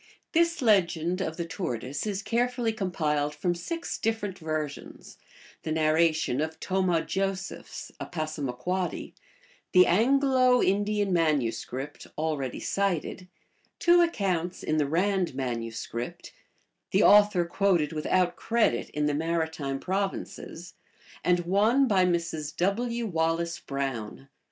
1 This legend of the tortoise is carefully compiled from six Different versions : the narration of Tomah Josephs, a Passama quoddy ; the Anglo Indian manuscript, already cited ; two ac < counts in the Rand manuscript ; the author quoted without credit ;n The Maritime Provinces ; and one by Mrs. W. Wallace Brown.